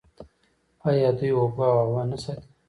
آیا دوی اوبه او هوا نه ساتي؟